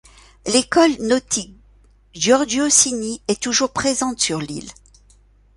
L'école nautique Giorgio Cini est toujours présente sur l'île.